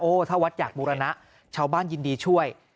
ถ้าวัดอยากบูรณะชาวบ้านยินดีช่วย